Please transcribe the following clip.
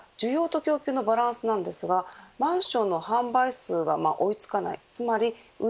そして重要なのが需要と供給のバランスですがマンションの販売数が追いつかない。